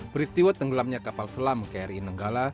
peristiwa tenggelamnya kapal selam kri nenggala